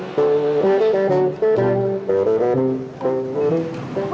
jangan langsung ke mata dong